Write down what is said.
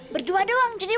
berdua doang jadi romantic